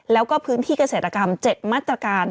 แล้วก็พื้นที่เกษตรกรรม๗มาตรการ